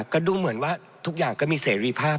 ก็ดูเหมือนว่าทุกอย่างก็มีเสรีภาพ